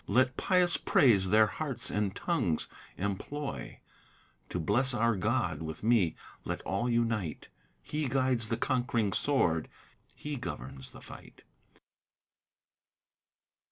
Let pious praise their hearts and tongues employ; To bless our God with me let all unite, He guides the conq'ring sword, he governs in the fight.